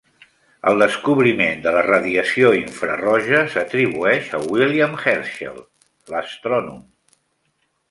El descobriment de la radiació infraroja s"atribueix a William Herschel, l"astrònom.